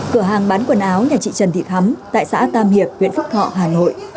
cửa hàng bán quần áo nhà chị trần thị thắm tại xã tam hiệp huyện phúc thọ hà nội